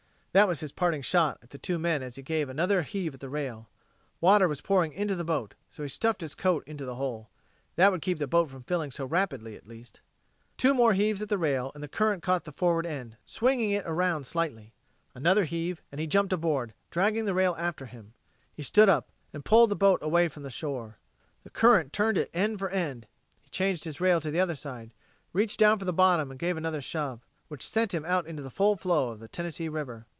That was his parting shot at the two men as he gave another heave at the rail. Water was pouring into the boat, so he stuffed his coat into the hole. That would keep the boat from filling so rapidly, at least. Two more heaves at the rail and the current caught the forward end, swinging it around slightly. Another heave; and he jumped aboard, dragging the rail after him. He stood up and poled the boat away from the shore. The current turned it end for end; he changed his rail to the other side, reached down for the bottom and gave another shove, which sent him out into the full flow of the Tennessee River.